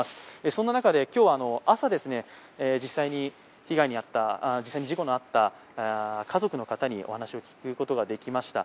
そんな中で今日は朝、実際に事故のあった家族の方にお話を聞くことができました。